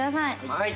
はい！